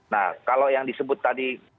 nah kalau yang disebut tadi